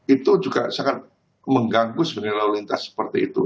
itu juga sangat mengganggu sebenarnya lalu lintas seperti itu